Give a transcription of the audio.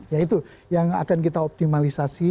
yaitu yang akan kita optimalisasi